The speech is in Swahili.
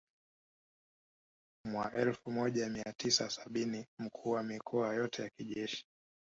Mwelfu moja mia tisa sabini mkuu wa mikono yote ya kijeshi